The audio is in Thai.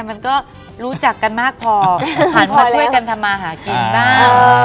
มันก็รู้จักกันมากพอหันมาช่วยกันทำมาหากินบ้าง